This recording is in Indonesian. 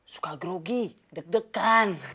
suka grogi deg degan